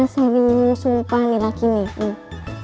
saya bingung sumpah nih laki laki